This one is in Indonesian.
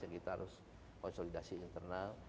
kita harus konsolidasi internal